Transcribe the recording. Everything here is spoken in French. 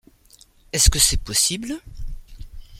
Est-ce que c’est possible ?